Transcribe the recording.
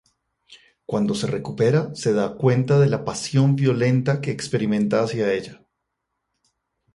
Cuando se recupera se da cuenta de la pasión violenta que experimenta hacia ella.